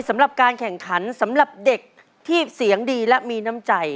สำหรับการแข่งขันสำหรับเด็กที่เสียงดีและมีน้ำใจ